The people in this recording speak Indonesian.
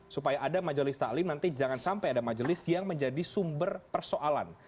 supaya ada majelis taklim nanti jangan sampai ada majelis yang menjadi sumber persoalan